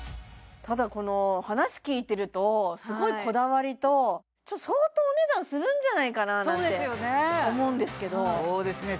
ただこの話聞いてるとすごいこだわりと相当お値段するんじゃないかななんて思うんですけどそうですね